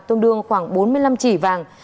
tương đương khoảng bốn mươi năm trị vàng